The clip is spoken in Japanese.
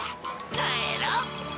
帰ろう。